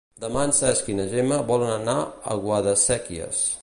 Demà en Cesc i na Gemma volen anar a Guadasséquies.